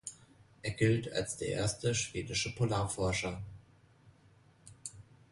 Er gilt als der erste schwedische Polarforscher.